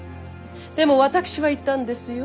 でも私は言ったんですよ。